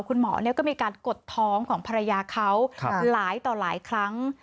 คุณหมอก็มีการกดท้องของภรรยาเขาหลายต่อหลายครั้ง